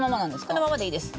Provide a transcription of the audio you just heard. このままでいいです。